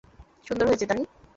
সুন্দর হয়েছে, তানি!